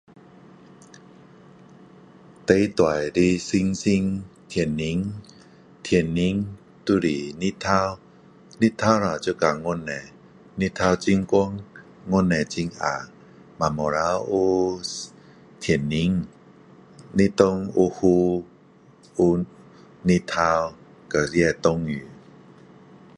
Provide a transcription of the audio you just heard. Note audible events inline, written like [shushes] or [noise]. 最大的星星，天星，天星就是太阳，太阳啦就到月亮，太阳很光，月亮很暗，晚上有 [shushes] 天星。白天有云，有太阳，和那下雨。